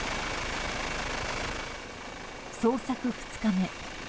捜索２日目。